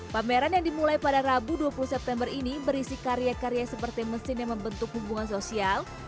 pameran yang dimulai pada rabu dua puluh september ini berisi karya karya seperti mesin yang membentuk hubungan sosial